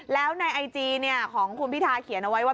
แล้วในไอจีเนี่ยของคุณพี่ทาร์เขียนเอาไว้ว่า